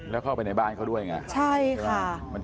แล้วเข้าไปในบ้านเข้าด้วยอย่างนี้